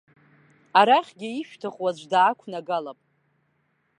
Арахьгьы ишәҭаху аӡә даақәнагалап.